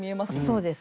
そうです。